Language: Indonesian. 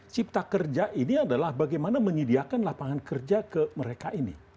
cipta kerja ini adalah bagaimana menyediakan lapangan kerja ke mereka ini